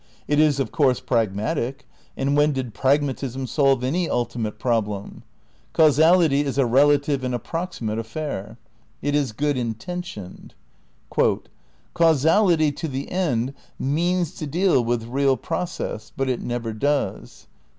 It is, of course pragmatic, and when did pragmatism solve any ultimate problem? Causality is a relative and approx imate affair. It is good intentioned. "Causality, to the end, means to deal with real process, but it never does."